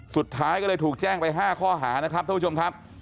สุดท้ายก็เลยถูกแจ้งไป๕ข้อหานะครับท่านผู้ชมครับ